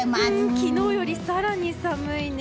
昨日より更に寒いね。